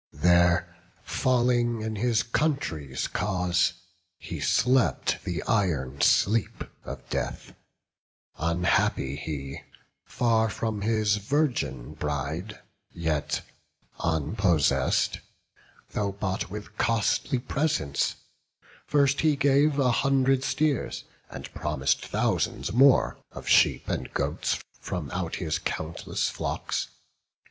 There, falling in his country's cause, he slept The iron sleep of death; unhappy he, Far from his virgin bride, yet unpossess'd, Though bought with costly presents; first he gave A hundred steers; and promis'd thousands more Of sheep and goats from out his countless flocks.